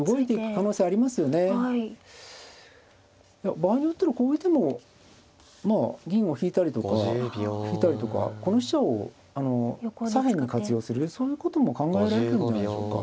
場合によったらこういう手もまあ銀を引いたりとかこの飛車を左辺に活用するねそういうことも考えられるんじゃないでしょうか。